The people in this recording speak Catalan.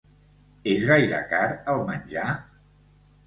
És gaire car el menjar?